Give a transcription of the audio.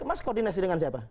mas koordinasi dengan siapa